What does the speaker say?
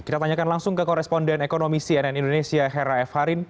kita tanyakan langsung ke koresponden ekonomi cnn indonesia hera f harin